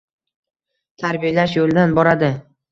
tarbiyalash yo'lidan boradi.